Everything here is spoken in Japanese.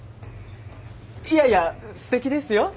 いやいやすてきですよ！